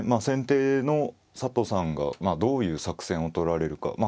先手の佐藤さんがどういう作戦を取られるか。